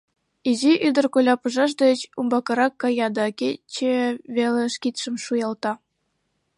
Изи ӱдыр коля пыжаш деч умбакырак кая да кече велыш кидшым шуялта: